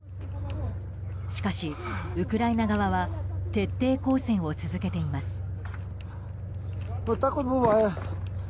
しかし、ウクライナ側は徹底抗戦を続けています。